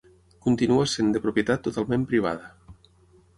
Continua sent de propietat totalment privada.